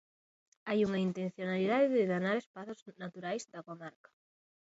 Hai unha intencionalidade de danar espazos naturais da comarca.